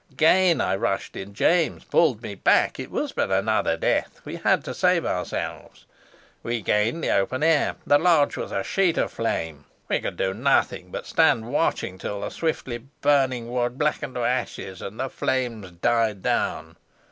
Again I rushed in. James pulled me back: it was but another death. We had to save ourselves. We gained the open air. The lodge was a sheet of flame. We could do nothing but stand watching, till the swiftly burning wood blackened to ashes and the flames died down.